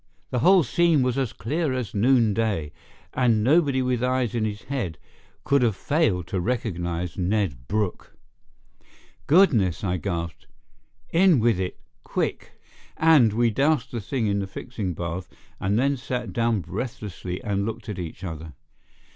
The whole scene was as clear as noonday, and nobody with eyes in his head could have failed to recognize Ned Brooke. "Goodness!" I gasped. "In with it—quick!" And we doused the thing into the fixing bath and then sat down breathlessly and looked at each other.